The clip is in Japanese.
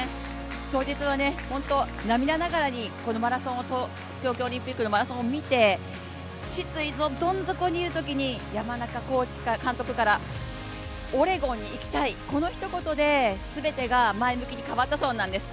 当日は涙ながらに東京オリンピックのマラソンを見て失意のどん底にいるときに、山中監督から、「オレゴンに行きたい」このひと言で全てが前向きに変わったそうなんです。